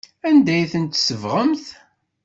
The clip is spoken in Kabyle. Anda ay tent-tsebɣemt?